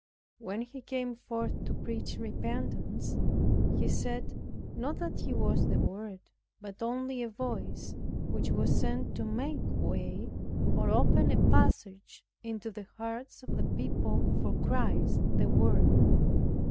When he came forth to preach repentance, he said, not that he was the Word, but only a Voice which was sent to make way, or open a passage into the hearts of the people for Christ the Word.